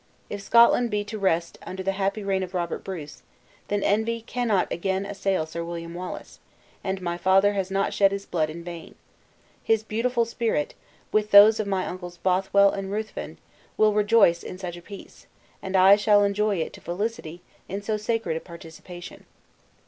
"If Scotland be to rest under the happy reign of Robert Bruce, then envy cannot again assail Sir William Wallace, and my father has not shed his blood in vain. His beautified spirit, with those of my uncles Bothwell and Ruthven, will rejoice in such a peace, and I shall enjoy it to felicity, in so sacred a participation."